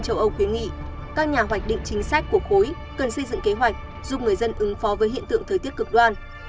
các nhà hoạch định chính sách của khối cần xây dựng kế hoạch giúp người dân ứng phó với hiện tượng thời tiết cực đoan